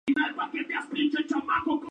Arthur Schlesinger Jr.